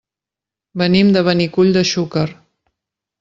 Venim de Benicull de Xúquer.